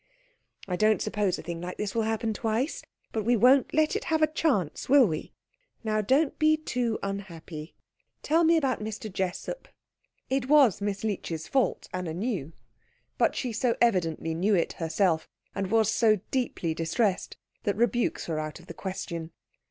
I don't suppose a thing like this will happen twice, but we won't let it have a chance, will we? Now don't be too unhappy. Tell me about Mr. Jessup." It was Miss Leech's fault, Anna knew; but she so evidently knew it herself, and was so deeply distressed, that rebukes were out of the question.